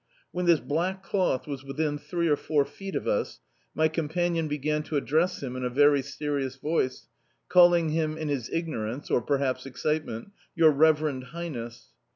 When this black cloth was within three or four feet of us, my companion began to address him in a very serious voice, calling him in his ignorance, or per* haps, excitement — "your reverend highness."